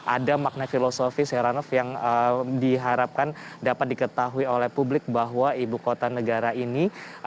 ada makna filosofis heranov yang diharapkan dapat diketahui oleh publik bahwa ibu kota negara ini